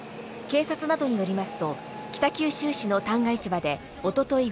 警察などによりますと北九州市の旦過市場でおととい